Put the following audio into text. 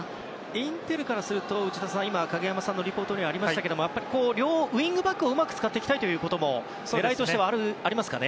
インテルからすると内田さん影山さんのリポートにもありましたけども両ウィングバックをうまく使っていきたいというのも狙いとしてはありますかね。